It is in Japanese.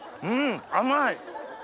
うん甘い！